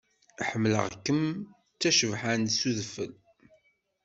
Ḥemmleɣ-kem d tacebḥant s udfel.